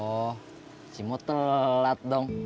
oh cimo telat dong